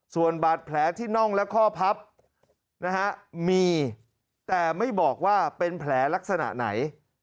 ส่วนบาดแผลที่น่องและข้อพับนะฮะมีแต่ไม่บอกว่าเป็นแผลลักษณะไหน